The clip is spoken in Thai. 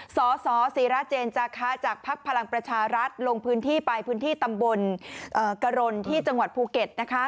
สสซีราเจนจคจากพพรรลงพื้นที่ไปพื้นที่ตำบลกระรนที่จังหวัดภูเก็ต